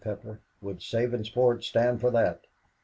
Pepper, "would Sabinsport stand for that."